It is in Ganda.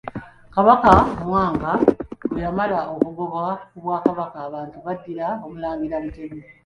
KABAKA Mwanga bwe yamala okugobwa ku Bwakabaka abantu baddira Omulangira Mutebi.